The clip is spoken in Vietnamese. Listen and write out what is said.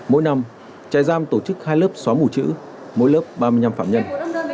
mỗi năm trại giam tổ chức hai lớp xóa mù chữ mỗi lớp ba mươi năm phạm nhân